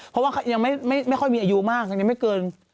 เพราะว่ายังไม่ค่อยมีอายุมากตอนนี้ไม่เกิน